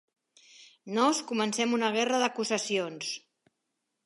Nos comencem una guerra d'acusacions.